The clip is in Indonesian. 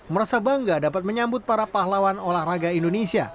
merasa bangga dapat menyambut para pahlawan olahraga indonesia